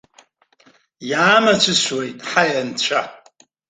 Иаамацәысуеит, ҳаи, анцәа!